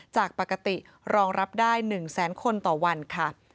จากปกติรองรับได้๑แสนคนต่อวันค่ะ